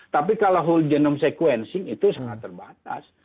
tapi kalau whole genome sequencing itu sangat terbatas